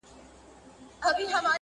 او حقيقت پټيږي